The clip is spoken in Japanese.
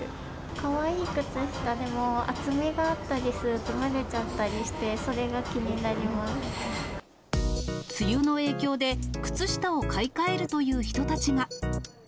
かわいい靴下でも、厚みがあったりすると蒸れちゃったりして、梅雨の影響で、靴下を買い替えるという人たちが。